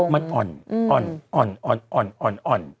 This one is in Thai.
มันอ่อน